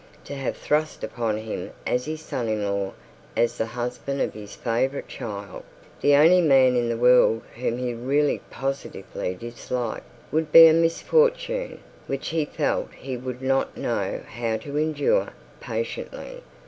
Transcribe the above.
To have thrust upon him as his son in law, as the husband of his favourite child, the only man in the world whom he really positively disliked, would be a misfortune which he felt he would not know how to endure patiently.